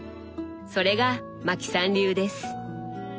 それがマキさん流です。